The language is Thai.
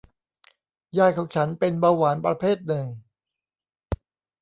ยายของฉันเป็นเบาหวานประเภทหนึ่ง